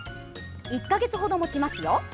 １か月程もちますよ。